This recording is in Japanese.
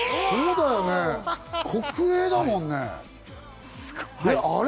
そうだよね、国営だもんね。